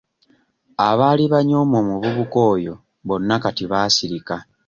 Abaali banyooma omuvubuka oyo bonna kati baasirika.